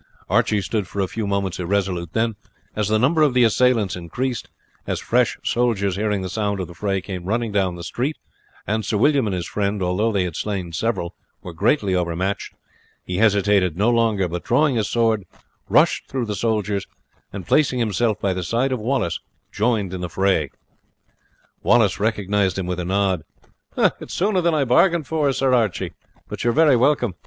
Archie stood for a few moments irresolute; but as the number of the assailants increased, as fresh soldiers hearing the sound of the fray came running down the street, and Sir William and his friend, although they had slain several, were greatly overmatched, he hesitated no longer, but, drawing his sword, rushed through the soldiers, and placing himself by the side of Wallace, joined in the fray. Wallace recognized him with a nod. "It is sooner than I bargained for, Sir Archie; but you are very welcome.